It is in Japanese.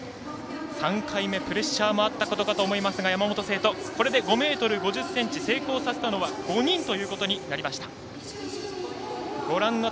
３回目、プレッシャーもあったかと思いますが山本聖途、これで５ｍ５０ｃｍを成功させたのは５人ということになりました。